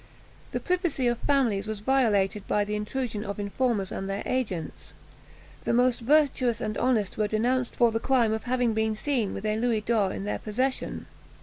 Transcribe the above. The privacy of families was violated by the intrusion of informers and their agents. The most virtuous and honest were denounced for the crime of having been seen with a louis d'or in their possession.